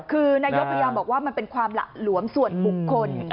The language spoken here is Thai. คือนายกพยายามบอกว่ามันเป็นความหละหลวมส่วนบุคคล